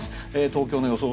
東京の予想